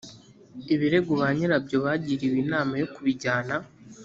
ibirego ba nyirabyo bagiriwe inama yo kubijyana